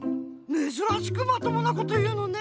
めずらしくまともなこというのね。